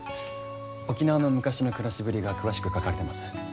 沖縄の昔の暮らしぶりが詳しく書かれてます。